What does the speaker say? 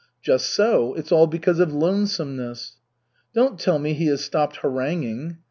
"Just so it's all because of lonesomeness." "Don't tell me he has stopped haranguing?"